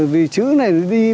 vì chữ này đi với nghĩa